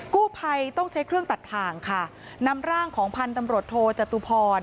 กู้ภัยต้องใช้เครื่องตัดทางค่ะนำร่างของพันธุ์ตำรวจโทจตุพร